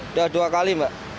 udah dua kali mbak